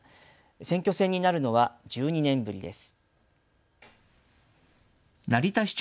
選挙戦になるのは１２年ぶりです。